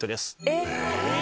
えっ？